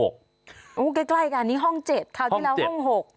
ใกล้กันนี้ห้อง๗คราวที่แล้วห้อง๖ค่ะ